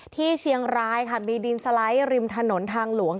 ที่เชียงรายค่ะมีดินสไลด์ริมถนนทางหลวง